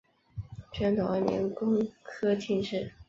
宣统二年工科进士。